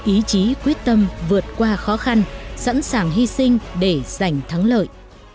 ý chí quyết tâm vượt qua khó khăn sẵn sàng hy sinh để giành thắng lợi